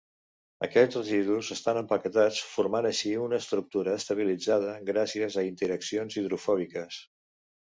Aquests residus estan empaquetats formant així una estructura estabilitzada gràcies a interaccions hidrofòbiques.